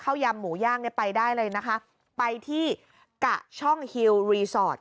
ยำหมูย่างเนี่ยไปได้เลยนะคะไปที่กะช่องฮิวรีสอร์ท